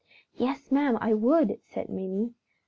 "Yes, ma'am, I would!" said Minnie.